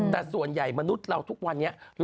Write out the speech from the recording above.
แต่ส่วนใหญ่มนุษย์เราทุกวันนี้